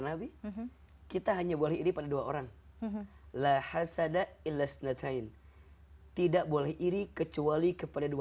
nabi kita hanya boleh dipandu orang lah hasada ilhasnatain tidak boleh iri kecuali kepada dua